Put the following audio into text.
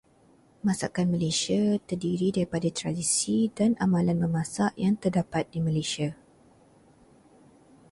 Masakan Malaysia terdiri daripada tradisi dan amalan memasak yang terdapat di Malaysia.